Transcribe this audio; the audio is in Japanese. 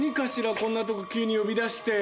こんなとこ急に呼び出して。